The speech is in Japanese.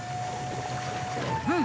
うん！